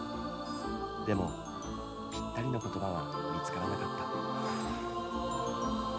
でもぴったりの言葉は見つからなかった。